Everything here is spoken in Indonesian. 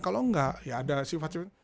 kalau enggak ya ada sifat sifat